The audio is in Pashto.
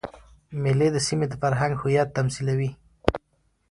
مېلې د سیمي د فرهنګ هویت تمثیلوي.